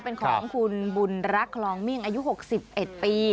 เป็นของคุณบุญรักษ์ลองมิ่งอายุหกสิบเอ็ดปี